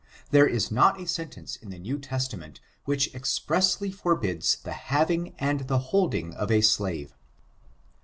There is not a setUence in the New Testament which eaepresdy forbids the haviitg and the holding of a slave.